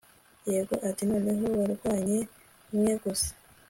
yego, ati noneho warwanye umwe gusa